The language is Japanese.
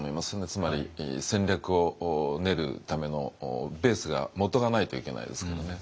つまり戦略を練るためのベースがもとがないといけないですからね。